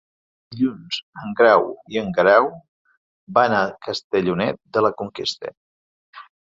Dilluns en Grau i en Guerau van a Castellonet de la Conquesta.